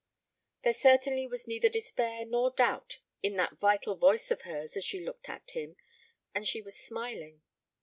There certainly was neither despair nor doubt in that vital voice of hers as she looked at him, and she was smiling.